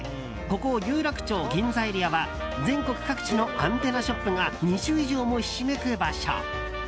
ここ有楽町、銀座エリアは全国各地のアンテナショップが２０以上もひしめく場所。